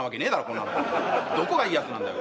こんなのどこがいいやつなんだよ